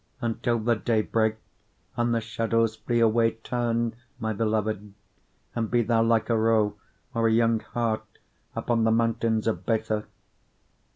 2:17 Until the day break, and the shadows flee away, turn, my beloved, and be thou like a roe or a young hart upon the mountains of Bether.